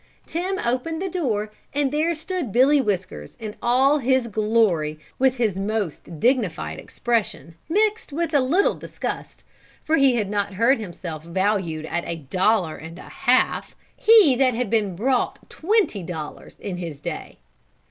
Tim opened the door and there stood Billy Whiskers in all his glory with his most dignified expression mixed with a little disgust, for had he not heard himself valued at a dollar and a half, he that had brought twenty dollars in his day!